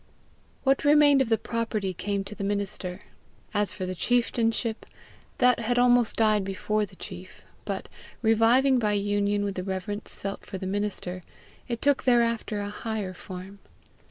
What remained of the property came to the minister. As for the chieftainship, that had almost died before the chief; but, reviving by union with the reverence felt for the minister, it took thereafter a higher form.